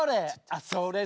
あっそれ！